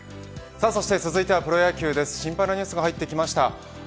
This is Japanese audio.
そして続いてはプロ野球です心配なニュースが入ってきました。